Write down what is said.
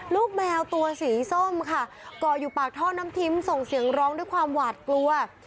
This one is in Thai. ลูกแมวตัวสีส้มค่ะเกาะอยู่ปากท่อน้ำทิ้มส่งเสียงร้องด้วยความหวาดกลัว